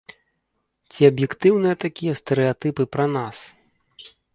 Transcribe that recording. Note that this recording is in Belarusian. Ці аб'ектыўныя такія стэрэатыпы пра нас?